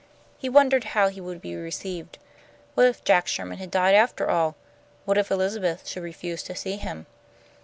He wondered how he would be received. What if Jack Sherman had died after all? What if Elizabeth should refuse to see him?